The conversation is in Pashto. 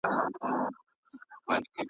دا هغه بېړۍ ډوبیږي چي مي نکل وو لیکلی .